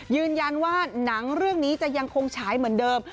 ยืนยันว่าหนังเรื่องนี้จะยังคงฉายเหมือนเดิม